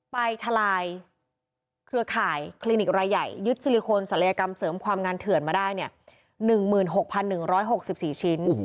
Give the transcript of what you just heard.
ทลายเครือข่ายคลินิกรายใหญ่ยึดซิลิโคนศัลยกรรมเสริมความงานเถื่อนมาได้๑๖๑๖๔ชิ้น